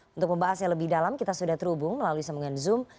untuk pembahas yang lebih dalam kita sudah terhubung melalui sambungan zoom